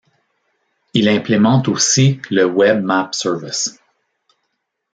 Il implémente aussi le Web Map Service.